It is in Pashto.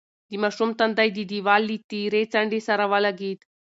د ماشوم تندی د دېوال له تېرې څنډې سره ولگېد.